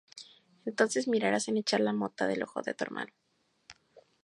Entonces mirarás en echar la mota del ojo de tu hermano.